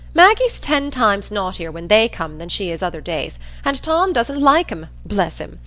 Maggie's ten times naughtier when they come than she is other days, and Tom doesn't like 'em, bless him!